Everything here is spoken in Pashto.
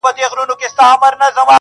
نهٔ یارانه، نهٔ رقیبان، نهٔ جانان